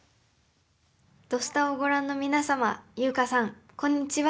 「土スタ」をご覧の皆様優香さん、こんにちは。